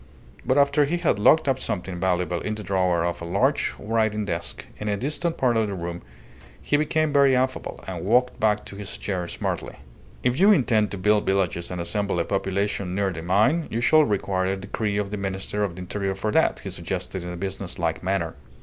But after he had locked up something valuable in the drawer of a large writing desk in a distant part of the room, he became very affable, and walked back to his chair smartly. "If you intend to build villages and assemble a population near the mine, you shall require a decree of the Minister of the Interior for that," he suggested in a business like manner.